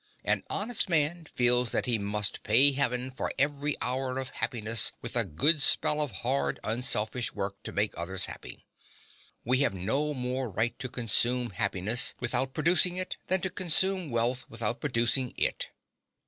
An honest man feels that he must pay Heaven for every hour of happiness with a good spell of hard, unselfish work to make others happy. We have no more right to consume happiness without producing it than to consume wealth without producing it.